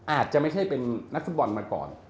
อาจจะไม่ใช่เป็นนักฟุตบอลมาก่อน